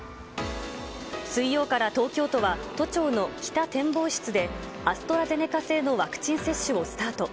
水曜から東京都は都庁の北展望室で、アストラゼネカ製のワクチン接種をスタート。